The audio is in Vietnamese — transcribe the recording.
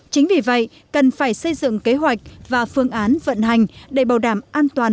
chính vì vậy cần phải xây dựng kế hoạch và phương án vận hành để bảo đảm an toàn